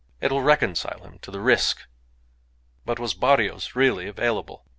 It'll reconcile him to the risk." But was Barrios really available?